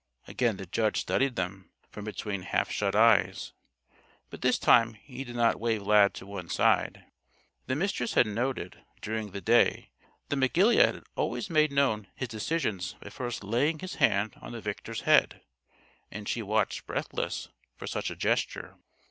Again the judge studied them from between half shut eyes. But this time he did not wave Lad to one side. The Mistress had noted, during the day, that McGilead had always made known his decisions by first laying his hand on the victor's head. And she watched breathless for such a gesture.